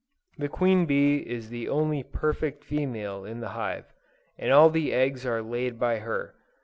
The Queen Bee is the only perfect female in the hive, and all the eggs are laid by her.